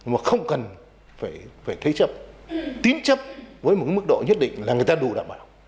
mà không cần phải thế chấp tín chấp với một mức độ nhất định là người ta đủ đảm bảo